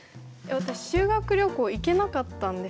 私修学旅行行けなかったんですよ